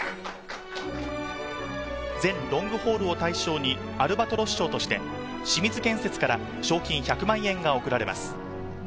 全ロングホールを対象にアルバトロス賞として、清水建設から賞金１００万円が贈られます。